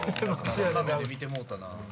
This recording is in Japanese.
変な目で見てもうたな。